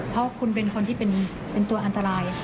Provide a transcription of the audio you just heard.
เพราะคุณเป็นคนที่เป็นตัวอันตราย